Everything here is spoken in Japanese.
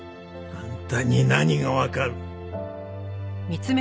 あんたに何がわかる！